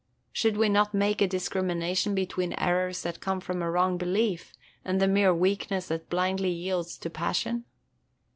Should we not make a discrimination between errors that come from a wrong belief and the mere weakness that blindly yields to passion?